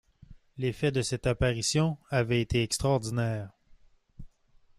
L’effet de cette apparition avait été extraordinaire.